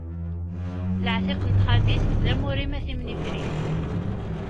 Laɛtiq n txabit, d amur-im a timnifrit.